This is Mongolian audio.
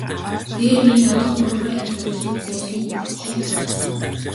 Дээр үеийн ядуу мөрөөрөө амь зуугчид байсныг эхэнд дурдсан.